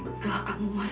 tidak kamu mas